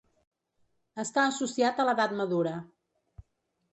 Està associat a l'edat madura.